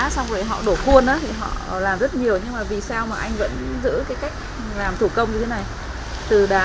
xong rồi họ đổ khuôn đó thì họ làm rất nhiều nhưng mà vì sao mà anh vẫn giữ cái cách làm thủ công như